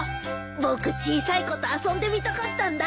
僕小さい子と遊んでみたかったんだ。